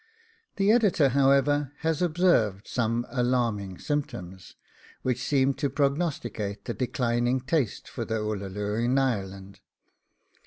The Editor, however, has observed some alarming symptoms, which seem to prognosticate the declining taste for the Ullaloo in Ireland.